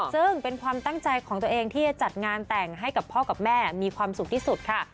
ซึ่งเป็นความตั้งใจของตัวเองที่จะจัดงานแต่งให้กับพ่อกับแม่มีความสุขที่สุดค่ะ